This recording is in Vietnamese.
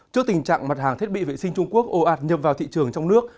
trước tình trạng mặt hàng thiết bị vệ sinh trung quốc ồ ạt nhập vào thị trường trong nước